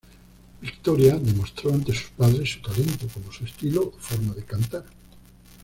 Viktoria demostró ante sus padres su talento, como su estilo o forma de cantar.